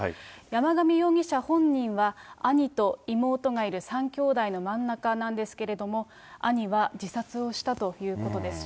山上容疑者本人は、兄と妹がいる３きょうだいの真ん中なんですけれども、兄は自殺をしたということです。